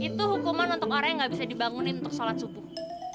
itu hukuman untuk orang yang gak bisa dibangunin untuk sholat subuh